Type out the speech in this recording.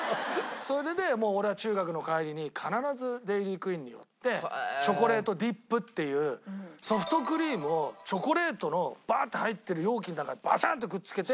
それでもう俺は中学の帰りに必ずデイリークイーンに寄ってチョコレートディップっていうソフトクリームをチョコレートのバーッて入ってる容器の中にバシャーンとくっつけて。